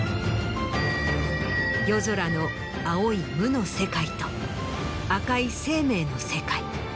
夜空の青い無の世界と赤い生命の世界。